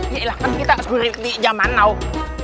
yaelah kan kita surit di zaman now